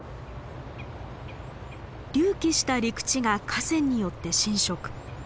隆起した陸地が河川によって浸食。